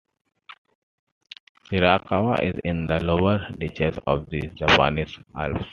Shirakawa is in the lower reaches of the Japanese Alps.